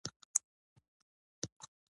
• هر شخص باید کوښښ وکړي.